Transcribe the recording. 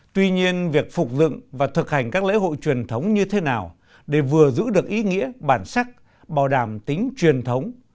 tuy nhiên việc phục dựng và thực hành các lễ hội truyền thống như thế nào để vừa giữ được ý nghĩa bản sắc bảo đảm tính truyền thống